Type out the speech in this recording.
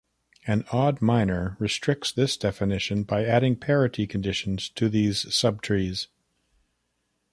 An odd minor restricts this definition by adding parity conditions to these subtrees.